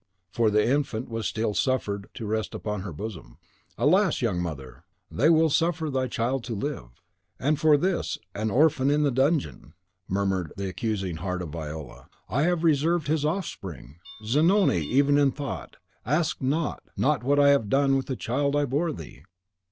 for the infant was still suffered to rest upon her bosom. "Alas, young mother, they will suffer thy child to live.' "And for this, an orphan in the dungeon!" murmured the accusing heart of Viola, "have I reserved his offspring! Zanoni, even in thought, ask not ask not what I have done with the child I bore thee!"